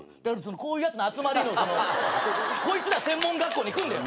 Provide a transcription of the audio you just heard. こういうやつの集まりのこいつら専門学校に行くんだよ。